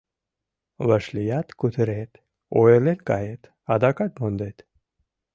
Вашлият — кутырет, ойырлен кает — адакат мондет.